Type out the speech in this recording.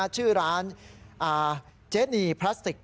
ชื่อร้านเจนีพลาสติก